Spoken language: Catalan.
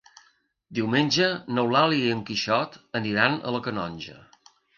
Diumenge n'Eulàlia i en Quixot aniran a la Canonja.